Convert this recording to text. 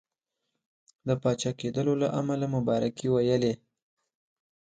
د پاچا کېدلو له امله مبارکي ویلې.